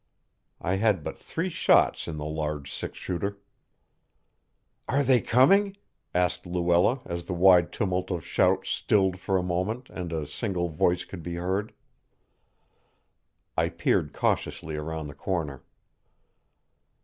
I had but three shots in the large six shooter. "Are they coming?" asked Luella, as the wild tumult of shouts stilled for a moment and a single voice could be heard. I peered cautiously around the corner.